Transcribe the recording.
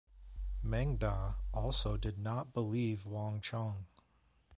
Meng Da also did not believe Wang Chong.